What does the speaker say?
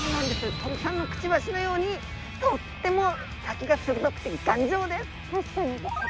鳥さんのくちばしのようにとっても先がするどくてがんじょうです。